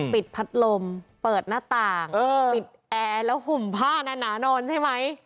ปิดพัดลมเปิดหน้าต่างปิดแอร์แล้วห่มผ้าหนานอนใช่ไหม